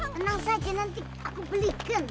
tenang saja nanti aku belikan